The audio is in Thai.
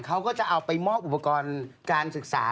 เขาก็จะเอาไปมอบอุปกรณ์การศึกษา